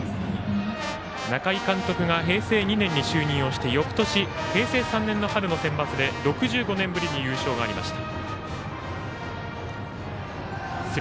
中井監督が平成２年に就任をして翌年、平成３年の春のセンバツで６５年ぶりに優勝がありました。